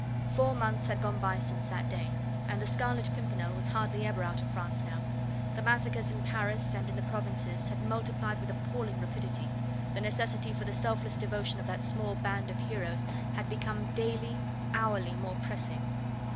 Four months had gone by since that day, and the Scarlet Pimpernel was hardly ever out of France now; the massacres in Paris and in the provinces had multiplied with appalling rapidity, the necessity for the selfless devotion of that small band of heroes had become daily, hourly more pressing.